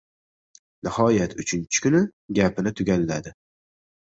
Nihoyat uchinchi kuni gapini tugalladi: